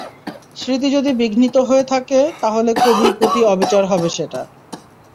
স্মৃতি যদি বিঘ্নিত হয়ে থাকে, তাহলে কবির প্রতি অবিচার হবে সেটা।